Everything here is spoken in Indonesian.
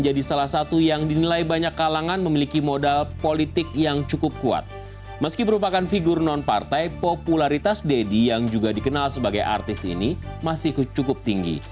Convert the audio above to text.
jadi setelah ini juga akhirnya deddy dan banyak kalangan memiliki modal politik yang cukup kuat meski merupakan figur nonpartai popularitas deddy yang juga dikenal sebagai artis ini masih cukup tinggi